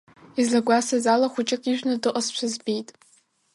Излагәасҭаз ала, хәыҷык ыжәны дыҟазшәа збеит.